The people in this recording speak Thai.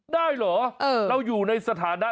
ได้เหรอเราอยู่ในสถานะ